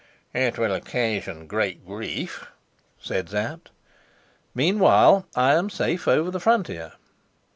"It will occasion great grief," said Sapt. "Meanwhile, I am safe over the frontier."